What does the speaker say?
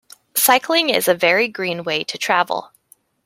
Cycling is a very green way to travel